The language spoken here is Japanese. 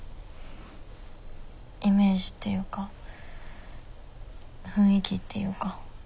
イメージっていうか雰囲気っていうか。